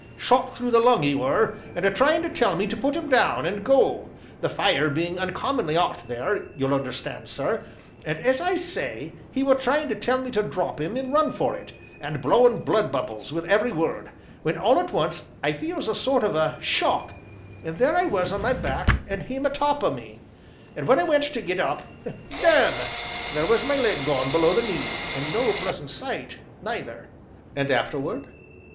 Shot through the lung he were, and a trying to tell me to put him down and go, the fire being uncommonly 'ot there, you'll understand, sir, and as I say, he were trying to tell me to drop him and run for it, and blowing blood bubbles wi' every word, when all at once I feels a sort of a shock, and there I was on my back and him atop o' me; and when I went to get up damme! there was my leg gone below the knee, and no pleasant sight, neither." "And afterward?"